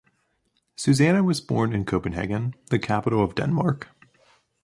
Susanna was born in Copenhagen, the capital of Denmark.